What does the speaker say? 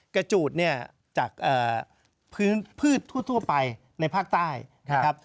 จูดเนี่ยจากพื้นพืชทั่วไปในภาคใต้นะครับ